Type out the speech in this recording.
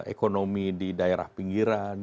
ekonomi di daerah pinggiran